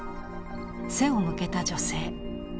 背を向けた女性。